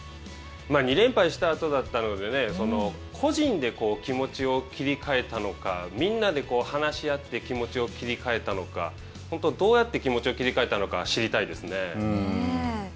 ２連敗したあとだったので個人で気持ちを切り替えたのかみんなで話し合って気持ちを切り替えたのか本当どうやって気持ちを切りかえたのか知りたいですね。